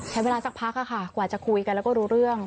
ใช้เวลาสักพักค่ะกว่าจะคุยกันแล้วก็รู้เรื่อง